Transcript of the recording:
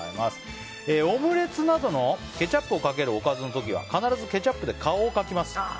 オムレツなどのケチャップをかけるおかずの時は必ずケチャップで顔を描きます。